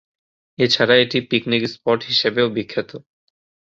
এছাড়া এটি picnic spot হিসাবেও বিখ্যাত।